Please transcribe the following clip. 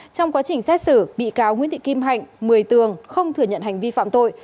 trong quá trình xét xử bị cáo nguyễn thị kim hạnh một mươi tường không thừa nhận hành vi phạm tội